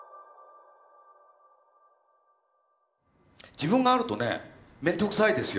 自分があるとね面倒くさいですよ。